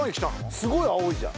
すごい青いじゃん！